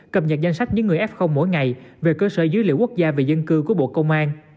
cập nhật danh sách những người f mỗi ngày về cơ sở dữ liệu quốc gia về dân cư của bộ công an